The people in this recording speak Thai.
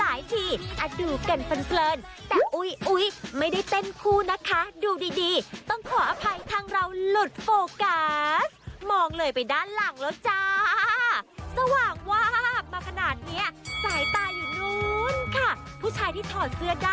อะดีเจพุทธไอ้เต้าซิกแท็ก